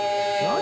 何⁉